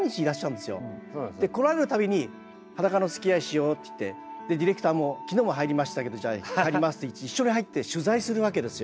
で来られる度に「裸のつきあいしよう」って言ってディレクターも「昨日も入りましたけどじゃあ入ります」って言って一緒に入って取材するわけですよ。